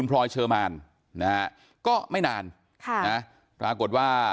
ลองฟังเสียงช่วงนี้ดูค่ะ